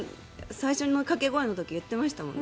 最初の掛け声の時言ってましたもんね。